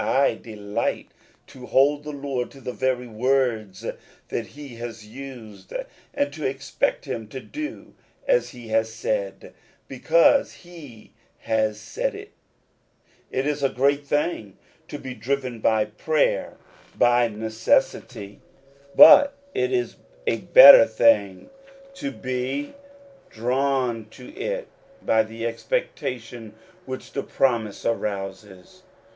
I delight to hold the Lord to the very words that he has used, and to expect him to do as he has said, because he has said it. It is a great thing to be driven to prayer by necessity; 62 According to the Promise. but it is a better thing to be drawn to it by the expectation which the promise arouses.